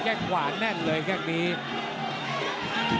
แก้วขวานแน่นเลยแค่นี้